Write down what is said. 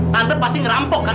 tante pasti ngerampok kan